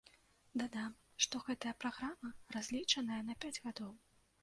Дадам, што гэтая праграма разлічаная на пяць гадоў.